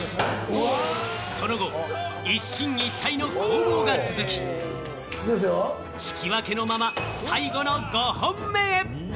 その後、一進一退の攻防が続き、引き分けのまま、最後の５本目へ。